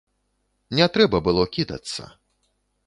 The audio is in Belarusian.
Не трэба было кідацца.